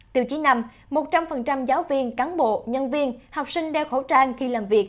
tiêu chí năm một trăm linh giáo viên cán bộ nhân viên học sinh đeo khẩu trang khi làm việc